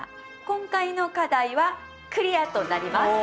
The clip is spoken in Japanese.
今回の課題はクリアとなります。